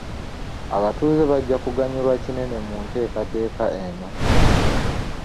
Abatuuze bajja kuganyulwa kinene mu nteekateeka eno.